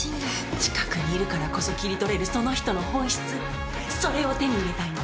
近くにいるからこそ切り取れるその人の本質それを手に入れたいの。